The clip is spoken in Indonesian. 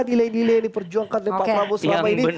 nilai nilai yang diperjuangkan oleh pak prabowo selama ini